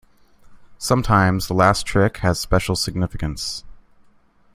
Sometimes the last trick has special significance.